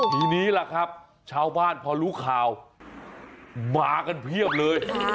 ทีนี้ล่ะครับชาวบ้านพอรู้ข่าวมากันเพียบเลย